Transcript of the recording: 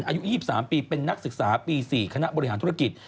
อายุ๒๓ปีเป็นนักศึกษาปี๔คณะบริหารธุรกิจ